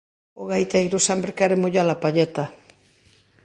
O gaiteiro sempre quere mollar a palleta